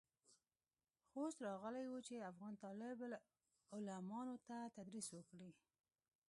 خو اوس راغلى و چې افغان طالب العلمانو ته تدريس وکړي.